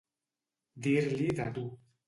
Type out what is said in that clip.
Dir-li de tu.